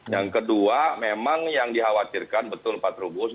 yang kedua memang yang dikhawatirkan betul pak trubus